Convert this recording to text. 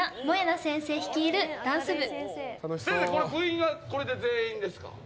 先生、部員はこれで全員ですか。